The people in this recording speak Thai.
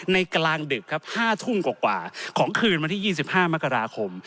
กลางดึกครับ๕ทุ่มกว่าของคืนวันที่๒๕มกราคม